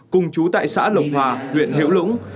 cùng chú tại xã lộc hòa huyện hiểu lũng